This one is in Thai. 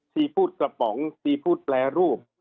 ซีฟู้ดกระป๋องซีฟู้ดแปรรูป